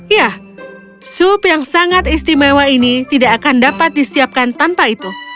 ya sup yang sangat istimewa ini tidak akan dapat disiapkan tanpa itu